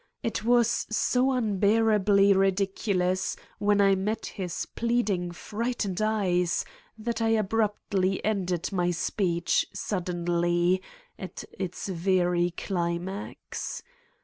It was so unbearably ridiculous when I met his pleading frightened eyes, that I abruptly ended my speech, suddenly, at its very climax.